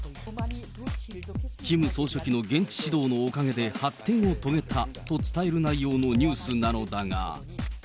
キム総書記の現地指導のおかげで発展を遂げたと伝える内容のニュースなのだが。